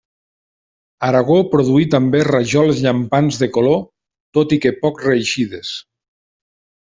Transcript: Aragó produí també rajoles llampants de color tot i que poc reeixides.